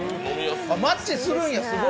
マッチするんや、すごい。